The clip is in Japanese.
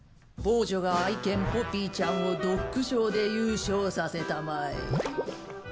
某女が愛犬ポピーちゃんをドッグショーで優勝させたまえ。